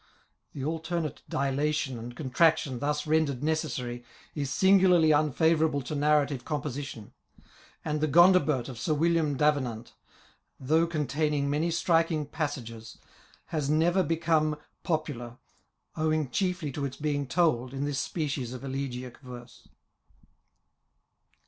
The alternate dilation and contraction thus ren dered necessary is singularly unfavourable to narrative composition ; and the Gk)ndibert" of Sir William D'Ave nant, though containing many striking passages, has never become popular, owing chiefly to its being told in this species of elegiac verse.